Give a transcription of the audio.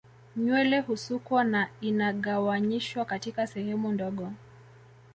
Nywele husukwa na inagawanyishwa katika sehemu ndogo